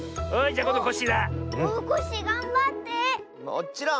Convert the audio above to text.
もっちろん！